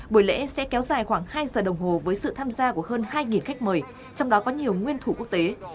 buổi lễ sẽ kéo dài khoảng hai giờ đồng hồ với sự tham gia của hơn hai khách mời trong đó có nhiều nguyên thủ quốc tế